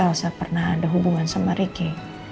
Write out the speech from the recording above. aku punya hubungan sama riki